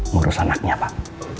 ngurus anaknya pak